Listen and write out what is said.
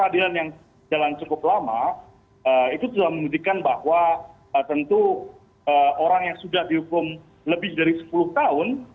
dan yang jalan cukup lama itu sudah membuktikan bahwa tentu orang yang sudah dihukum lebih dari sepuluh tahun